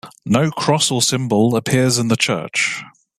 No cross or symbol appears in the church.